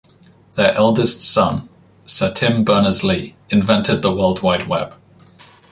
Their eldest son, Sir Tim Berners-Lee, invented the World Wide Web.